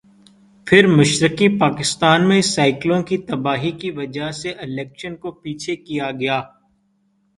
پھر مشرقی پاکستان میں سائیکلون کی تباہی کی وجہ سے الیکشن کو پیچھے کیا گیا۔